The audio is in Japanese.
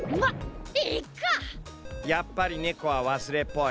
やっぱりねこはわすれっぽい。